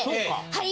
はい。